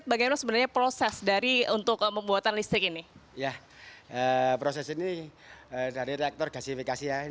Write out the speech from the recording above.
bagaimana proses pembuatan listrik